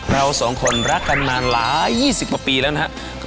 เราสองคนรักกันมาหลายยี่สิบประปีแล้วนะครับ